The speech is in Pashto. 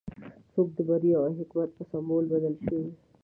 څوکه د بري او حکمت په سمبول بدله شوه.